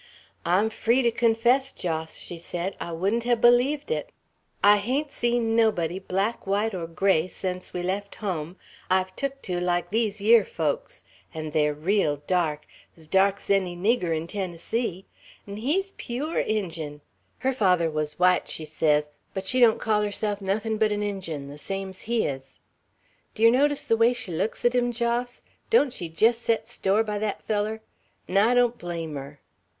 "I'm free to confess, Jos," she said, "I wouldn't ha' bleeved it. I hain't seen nobody, black, white, or gray, sence we left hum, I've took to like these yere folks. An' they're real dark; 's dark's any nigger in Tennessee; 'n' he's pewer Injun; her father wuz white, she sez, but she don't call herself nothin' but an Injun, the same's he is. D' yer notice the way she looks at him, Jos? Don't she jest set a store by thet feller? 'N' I don't blame her."